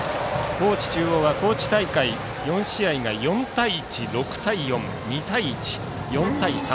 高知中央は高知大会４試合が４対１６対４、２対１、４対３。